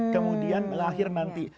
kemudian melahir nanti